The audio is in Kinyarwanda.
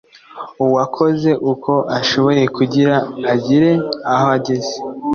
Uwakoze uko ashoboye kugira agire aho ageze